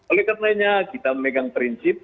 oleh karenanya kita memegang prinsip